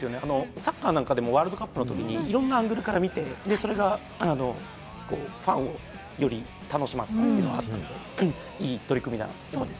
サッカーもワールドカップなどで、いろんなアングルから見て、それがファンをより楽しませたというのがあったので、いい取り組みだなと思います。